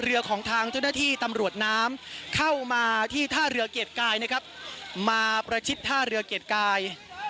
เรือของทางเจ้าหน้าที่ตำรวจน้ำเข้ามาที่ท่าเรือเกียรติกายนะครับมาประชิดท่าเรือเกียรติกาย